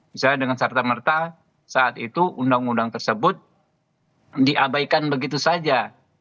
misalnya dengan serta merta saat itu undang undang tersebut diabaikan begitu saja